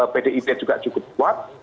pdip juga cukup kuat